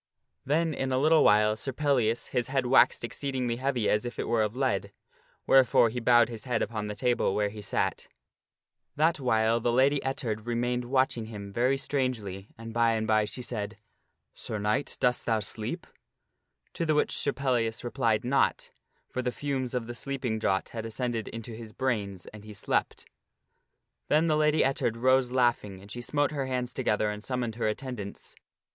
Then in a little while Sir Pellias his head waxed exceedingly heavy as if it were of lead, wherefore he bowed his head upon the table where he sat. Sir Pellias That while the Lady Ettard remained watching him very sieepeth. strangely, and by and by she said, " Sir Knight, dost thou sleep ?" To the which Sir Pellias replied not, for the fumes of the sleep ing draught had ascended into his brains and he slept Then the Lady Ettard arose laughing, and she smote her hands together and summoned her attendants.